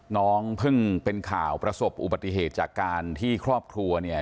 น้องเพิ่งเป็นข่าวประสบอุบัติเหตุจากการที่ครอบครัวเนี่ย